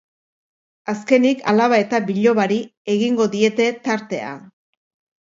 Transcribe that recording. Azkenik, alaba eta bilobari egingo diete tartea.